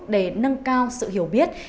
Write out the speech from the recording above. để nâng cao sự hiểu biết